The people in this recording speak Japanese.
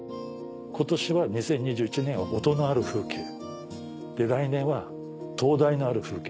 ２０２１年は音のある風景で来年は灯台のある風景。